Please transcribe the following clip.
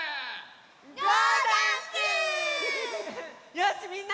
よしみんな！